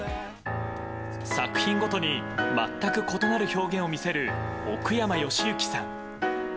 作品ごとに全く異なる表現を見せる奥山由之さん。